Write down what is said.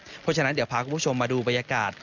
เพราะฉะนั้นเดี๋ยวพาคุณผู้ชมมาดูบรรยากาศ